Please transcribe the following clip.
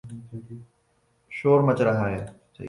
شور مچ رہا ہے۔